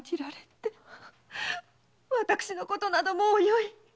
私のことなどもうよい！